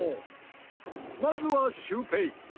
まずはシュウペイ。